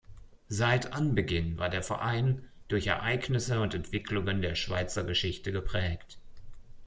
Seit Anbeginn war der Verein durch Ereignisse und Entwicklungen der Schweizer Geschichte geprägt.